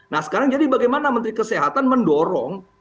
nah sekarang jadi bagaimana menteri kesehatan mendorong